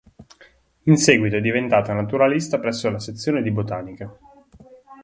In seguito è diventata naturalista presso la sezione di botanica.